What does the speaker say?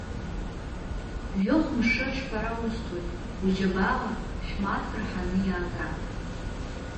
Жәохә мшы аҿҳәара усҭоит, уџьабаала шә-мааҭк рҳаны иаага.